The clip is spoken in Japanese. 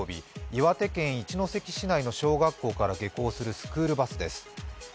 岩手県一関市内の小学校から下校するスクールバスです。